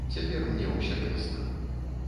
Цяпер мне ўсё ясна.